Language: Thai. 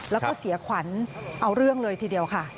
แล้วก็เสียขวัญเอาเรื่องเลยทีเดียวค่ะ